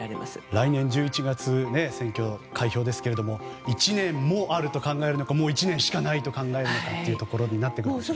来年１１月選挙の開票ですが１年もあると考えるのかもう１年しかないと考えるのかというところになってきますので。